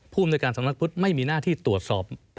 ภูมิในการสำนักพุทธไม่มีหน้าที่ตรวจสอบ